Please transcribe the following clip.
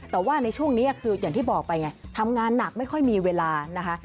แต่ว่าในช่วงนี้คืออย่างที่บอกไปไงทำงานหนักไม่ค่อยมีเวลานะคะ